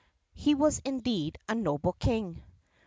He was indeed a noble King.